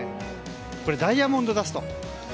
ダイヤモンドダスト。